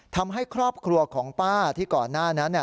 ทำให้ครอบครัวของป้าที่ก่อนหน้านั้น